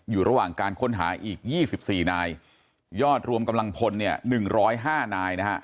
อยู่ระหว่างการค้นหาอีก๒๔นายยอดรวมกำลังพลเนี่ย๑๐๕นายนะฮะ